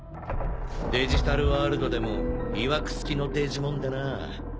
デジタルワールドでもいわく付きのデジモンでなぁ。